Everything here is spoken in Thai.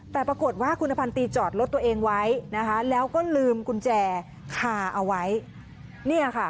แต่ปรากฏว่าคุณพันธีจอดรถตัวเองไว้นะคะแล้วก็ลืมกุญแจคาเอาไว้เนี่ยค่ะ